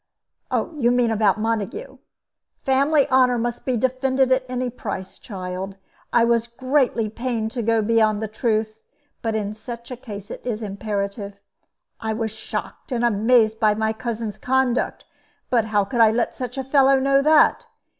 "You mean about Montague? Family honor must be defended at any price. Child, I was greatly pained to go beyond the truth; but in such a case it is imperative. I was shocked and amazed at my cousin's conduct; but how could I let such a fellow know that?